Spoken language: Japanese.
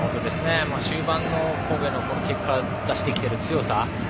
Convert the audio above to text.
終盤の神戸の出してきている強さ。